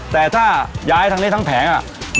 แต่ถ้าย้ายทั้งนี้ทั้งแผง